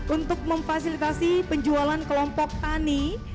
untuk memfasilitasi penjualan kelompok tani